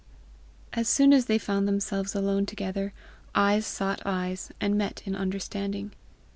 As soon as they found themselves alone together, eyes sought eyes, and met in understanding.